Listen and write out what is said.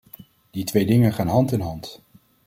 Die twee dingen gaan hand in hand.